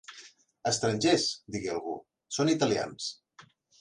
Estrangers - digué algú - Són italians